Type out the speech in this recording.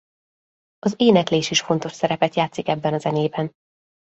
Az éneklés is fontos szerepet játszik ebben a zenében.